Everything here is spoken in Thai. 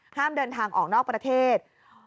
ห้ามเดินทางออกนอกประเทศ